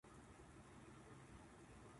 関東上流江戸桜